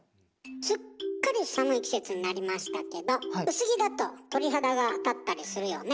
すっかり寒い季節になりましたけど薄着だと鳥肌が立ったりするよね。